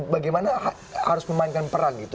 bagaimana harus memainkan perang itu